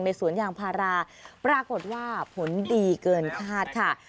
สวนยางพาราปรากฏว่าผลดีเกินคาดค่ะ